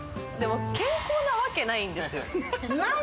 健康なわけないんですよ。